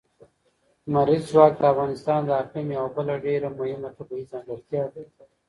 لمریز ځواک د افغانستان د اقلیم یوه بله ډېره مهمه طبیعي ځانګړتیا ده.